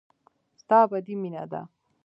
ستا ابدي مينه ده.